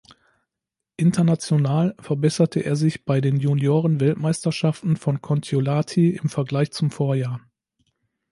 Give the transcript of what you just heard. International verbesserte er sich bei den Junioren-Weltmeisterschaften von Kontiolahti im Vergleich zum Vorjahr.